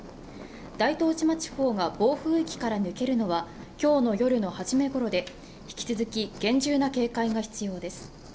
大東島地方が暴風域から抜けるのは今日の夜のはじめころで、引き続き厳重な警戒が必要です。